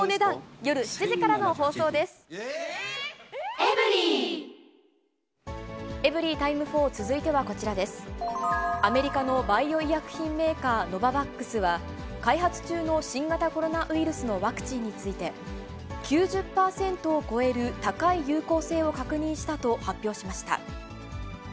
アメリカのバイオ医薬品メーカー、ノババックスは、開発中の新型コロナウイルスのワクチンについて、９０％を超える高い有効性を確認したと発表しました。